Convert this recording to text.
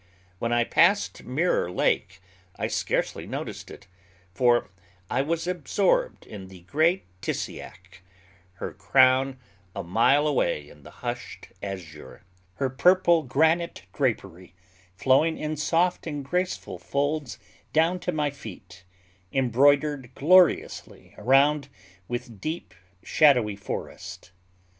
When I passed Mirror Lake, I scarcely noticed it, for I was absorbed in the great Tissiack—her crown a mile away in the hushed azure; her purple granite drapery flowing in soft and graceful folds down to my feet, embroidered gloriously around with deep, shadowy forest.